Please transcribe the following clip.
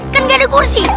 kan gak ada kursi